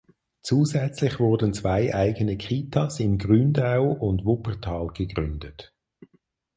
Zusätzlich wurden zwei eigene Kitas in Gründau und Wuppertal gegründet.